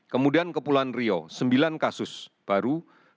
kemudian kepulauan rio sembilan kasus baru